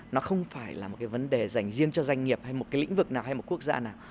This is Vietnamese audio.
nó không phải là một cái vấn đề dành riêng cho doanh nghiệp hay một cái lĩnh vực nào hay một quốc gia nào